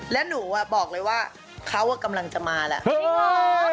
แล้วหนูบอกเลยว่าเขากำลังจะมาแล้ว